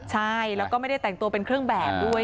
ใช่แล้วก็ไม่ได้แต่งตัวเป็นเครื่องแบบด้วย